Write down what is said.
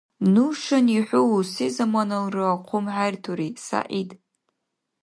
Нушани хӀу сезаманалра хъумхӀертури, СягӀид!